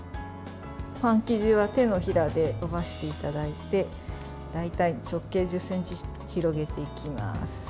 パン生地は手のひらで延ばしていただいて大体直径１０ｃｍ広げていきます。